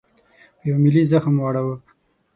په یوه ملي زخم واړاوه.